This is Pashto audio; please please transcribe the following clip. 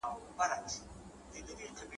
عزرائیل مي دی ملګری لکه سیوری `